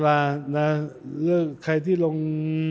ดาราแล้วใครที่ลง